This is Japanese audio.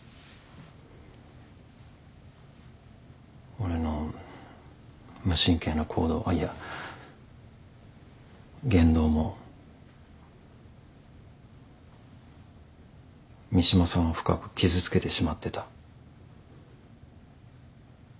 俺の無神経な行動いや言動も三島さんを深く傷つけてしまってた。